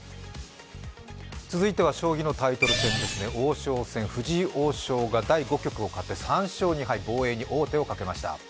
続いては将棋のタイトル戦ですね、王将戦、藤井王将が第５局を勝って３勝２敗、防衛に王手をかけました。